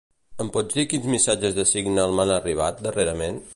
Em pots dir quins missatges de Signal m'han arribat darrerament?